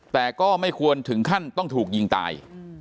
แต่ก็ไม่ควรถึงขั้นต้องถูกยิงตาย